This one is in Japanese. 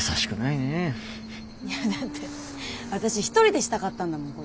いやだって私一人でしたかったんだもん